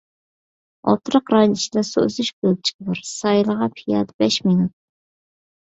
ئولتۇراق رايون ئىچىدە سۇ ئۈزۈش كۆلچىكى بار، ساھىلغا پىيادە بەش مىنۇت.